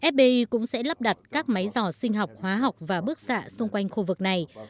fdi cũng sẽ lắp đặt các máy dò sinh học hóa học và bức xạ xung quanh khu vực này